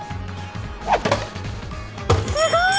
すごい！